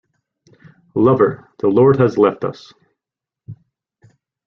Lover, the Lord Has Left Us...